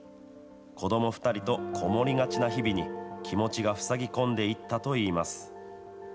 子ども２人と籠もりがちな日々に、気持ちがふさぎこんでいったといいます。